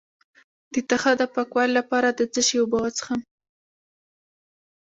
د تخه د پاکوالي لپاره د څه شي اوبه وڅښم؟